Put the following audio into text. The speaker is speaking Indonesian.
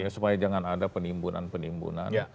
supaya jangan ada penimbunan penimbunan